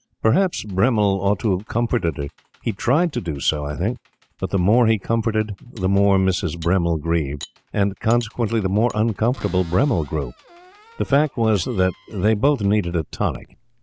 Perhaps Bremmil ought to have comforted her. He tried to do so, I think; but the more he comforted the more Mrs. Bremmil grieved, and, consequently, the more uncomfortable Bremmil grew. The fact was that they both needed a tonic.